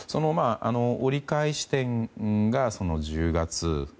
折り返し点が１０月。